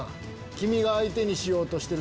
君が相手にしようとしてる